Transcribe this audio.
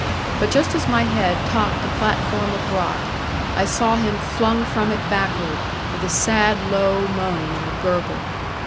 But just as my head topped the platform of rock, I saw him flung from it backward, with a sad low moan and a gurgle.